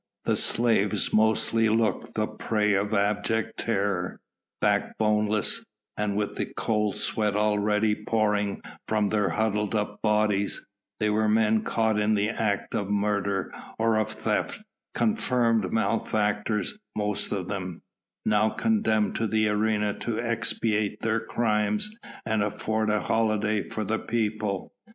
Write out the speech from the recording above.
The slaves mostly looked the prey of abject terror, backboneless, and with the cold sweat already pouring from their huddled up bodies; they were men caught in the act of murder or of theft, confirmed malefactors most of them, now condemned to the arena to expiate their crimes and afford a holiday for the people.